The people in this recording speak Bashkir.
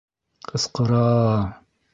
Ҡысҡыра!!!